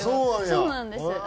そうなんです。